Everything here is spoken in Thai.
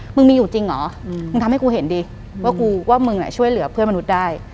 มึงมีอยู่จริงเหรอมึงทำให้กูเห็นดิว่ากูว่ามึงช่วยเหลือเพื่อนมนุษย์ได้